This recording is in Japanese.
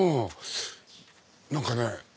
何かね